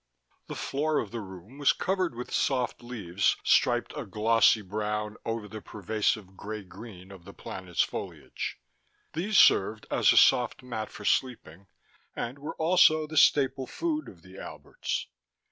The floor of the room was covered with soft leaves striped a glossy brown over the pervasive gray green of the planet's foliage. These served as a soft mat for sleeping, and were also the staple food of the Alberts.